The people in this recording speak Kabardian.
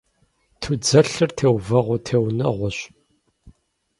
Тудзэлъэр теувэгъуэ теунэгъуэщ.